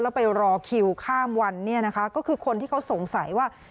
แล้วไปรอคิวข้ามวันเนี่ยนะคะก็คือคนที่เขาสงสัยว่า